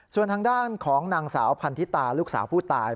ส่วนทางด้านของนางสาวพันธิตาลูกสาวผู้ตาย